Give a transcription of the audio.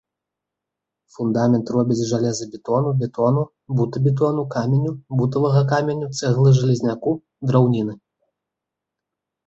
Фундамент робяць з жалезабетону, бетону, бута-бетону, каменю, бутавага каменю, цэглы-жалезняку, драўніны.